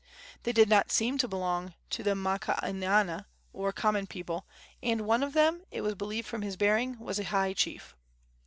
They did not seem to belong to the makaainana, or common people, and one of them, it was believed from his bearing, was a high chief.